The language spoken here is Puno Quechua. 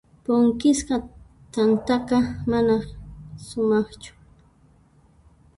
Punkisqa t'antaqa manan sumaqchu.